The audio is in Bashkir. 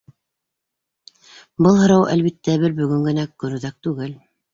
Был һорау, әлбиттә, бер бөгөн генә көнүҙәк түгел.